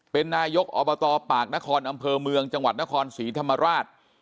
เป็นนายกอบตปากนครอำเภอเมืองจังหวัดนครศรีธรรมราช